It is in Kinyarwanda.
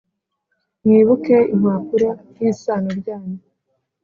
Mwibuke impumuro y`isano ryanyu